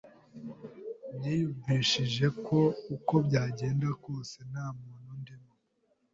Niyumvishije ko uko byagenda kose nta muntu undimo!